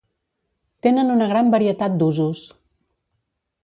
tenen una gran varietat d'usos